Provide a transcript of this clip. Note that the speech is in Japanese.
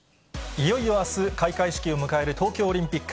いよいよあす、開会式を迎える東京オリンピック。